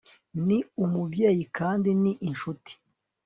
ni umubyeyi kandi ni inshuti